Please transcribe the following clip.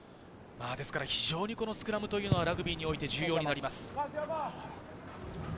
ですから非常にスクラムというのはラグビーにおいて非常に重要になります。